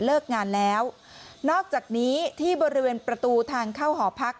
เลิกงานแล้วนอกจากนี้ที่บริเวณประตูทางเข้าหอพัก